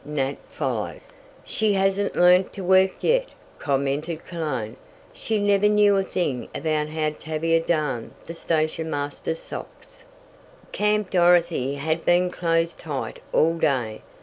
Nat followed. "She hasn't learned to work yet," commented Cologne. She never knew a thing about how Tavia darned the station master's socks. Camp Dorothy had been closed tight all day.